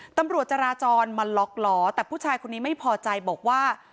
ตำรวจจราจรมาล็อกล้อแต่ผู้ชายคนนี้ไม่พอใจบอกว่า